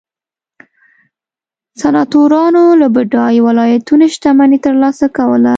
سناتورانو له بډایو ولایتونو شتمني ترلاسه کوله